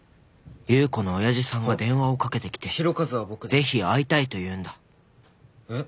夕子のおやじさんが電話をかけてきてぜひ会いたいというんだえっ？